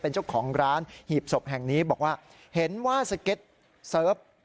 เป็นเจ้าของร้านหีบศพแห่งนี้บอกว่าเห็นว่าสเก็ตเซิร์ฟ